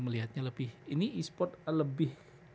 melihatnya lebih ini esport lebih